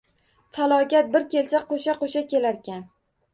Falokat bir kelsa, qo`sha-qo`sha kelarkan